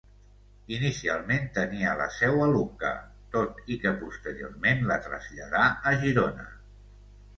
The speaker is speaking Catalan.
Inicialment tenia la seu a Lucca tot i que posteriorment la traslladà a Girona.